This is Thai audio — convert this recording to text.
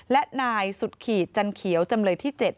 และนายสุดขีดจันเขียวจำเลยที่๗